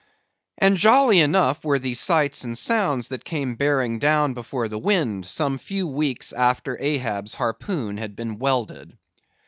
And jolly enough were the sights and the sounds that came bearing down before the wind, some few weeks after Ahab's harpoon had been welded.